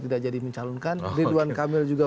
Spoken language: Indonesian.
tidak jadi mencalonkan ridwan kamil juga